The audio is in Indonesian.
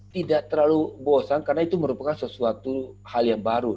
tidak terlalu bosan karena itu merupakan sesuatu hal yang baru